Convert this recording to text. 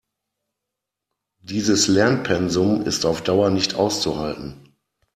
Dieses Lernpensum ist auf Dauer nicht auszuhalten.